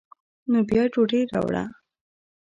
نو بیا ډوډۍ راوړه.